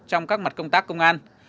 trong các mặt công tác công an